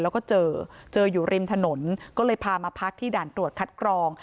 แล้วก็เจอเจออยู่ริมถนนก็เลยพามาพักที่ด่านตรวจคัดกรอง